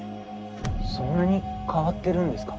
そんなに変わってるんですか？